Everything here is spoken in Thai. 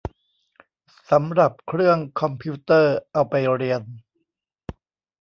สำหรับเครื่องคอมพิวเตอร์เอาไปเรียน